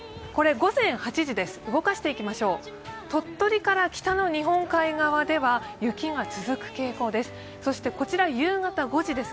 午前８時です、動かしていきましょう鳥取から北の日本海側では雪が続く傾向です。